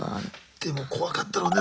でも怖かったろうね